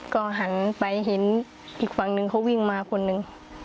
ก็หันไปเห็นอีกฝั่งนึงเขาวิ่งมาคนหนึ่ง